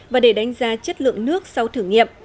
và để đánh giá chất lượng nước sau thử nghiệm